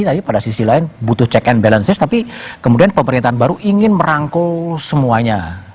tapi pada sisi lain butuh check and balances tapi kemudian pemerintahan baru ingin merangkul semuanya